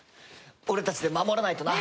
俺たちで守らないとな。